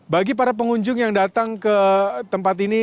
bagi para pengunjung yang datang ke tempat ini